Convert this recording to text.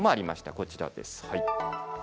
こちらです。